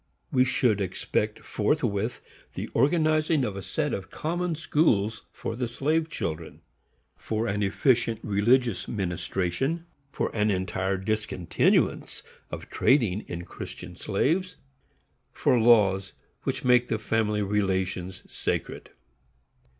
We should expect forthwith the organizing of a set of common schools for the slave children; for an efficient religious ministration; for an entire discontinuance of trading in Christian slaves; for laws which make the family relations sacred.